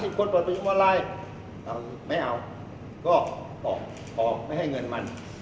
จีนมาสามสิบคนประตูยุมารไลน์เอาไม่เอาก็ออกออกไม่ให้เงินมัน